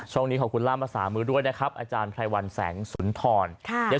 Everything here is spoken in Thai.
ช่วงนี้ขอบคุณล่ามภาษามือด้วยนะครับอาจารย์ไพรวัลแสงสุนทร